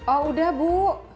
oh udah bu